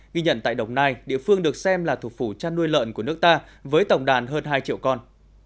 ghi nhận tại đồng nai địa phương được xem là thủ phủ chăn nuôi lợn của nước ta với tổng đàn hơn hai triệu con